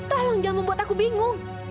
tolong jangan membuat aku bingung